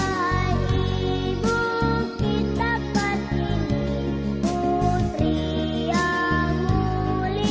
memikir resonates terdamping di hati mereka untuk mengetahui kenyataan di antaranya